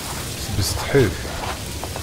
Sbesteḥ-it.